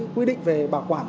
quy định về bảo quản